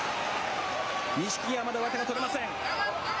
錦木はまだ上手が取れません。